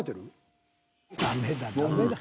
［ダメだダメだ］